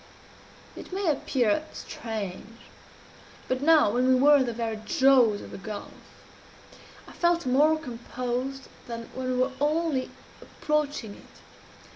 "It may appear strange, but now, when we were in the very jaws of the gulf, I felt more composed than when we were only approaching it.